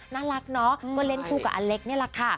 น่ารักเนาะก็เล่นคู่กับอเล็กนี่แหละค่ะ